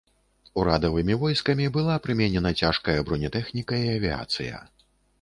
Урадавымі войскамі была прыменена цяжкая бронетэхніка і авіяцыя.